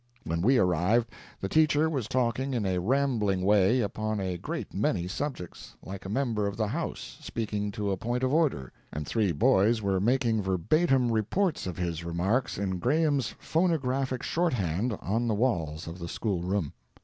When we arrived, the teacher was talking in a rambling way upon a great many subjects, like a member of the House speaking to a point of order, and three boys were making verbatim reports of his remarks in Graham's phonographic short hand on the walls of the school room.